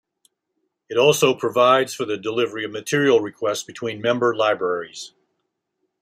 It also provides for the delivery of material requests between member libraries.